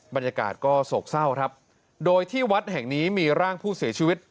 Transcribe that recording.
บรรยากาศก็โศกเศร้าครับโดยที่วัดแห่งนี้มีร่างผู้เสียชีวิต